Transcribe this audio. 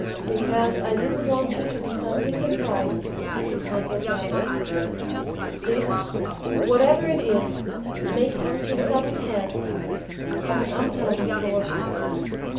"Because I didn't want you to be suddenly surprised," answered Bryce. "This whatever it is may come to a sudden head of an unpleasant sort.